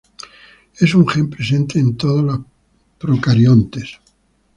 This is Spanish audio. Es un gen presente a todos los procariontes.